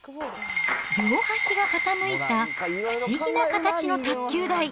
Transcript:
両端が傾いた不思議な形の卓球台。